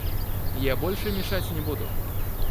Я больше мешать не буду.